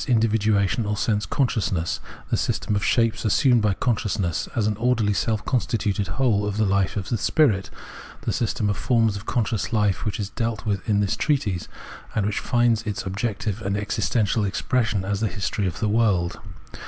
284 Phenomenology of Mind dividuation or sense consciousness, the system of shapes assumed by consciousness, as an orderly self constituted whole of the life of spirit,— the system of forms of conscious hfe which is dealt with in this treatise, and which finds its objective existential expression as the history of the world.